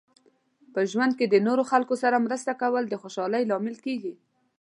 په ژوند کې د نورو خلکو سره مرسته کول د خوشحالۍ لامل کیږي.